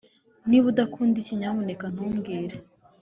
niba udakunda icyi, nyamuneka ntumbwire.